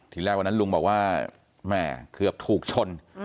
ทีแรกวันนั้นลุงบอกว่าแม่เกือบถูกชน